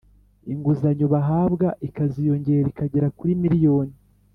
Inguzanyo bahabwa ikaziyongera ikagera kuri miliyoni